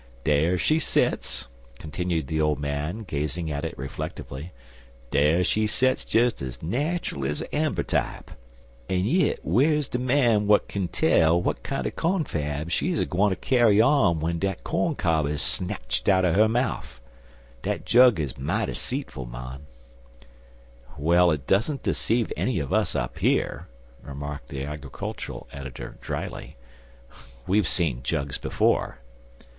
Dar she sets," continued the old man, gazing at it reflectively, "dar she sets dez ez natchul ez er ambertype, an' yit whar's de man w'at kin tell w'at kinder confab she's a gwineter carry on w'en dat corn cob is snatched outen 'er mouf? Dat jug is mighty seetful, mon." "Well, it don't deceive any of us up here," remarked the agricultural editor, dryly. "We've seen jugs before."